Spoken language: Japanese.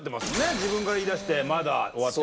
自分から言い出してまだ終わってないなんて。